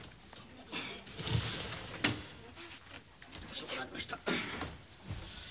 遅くなりました。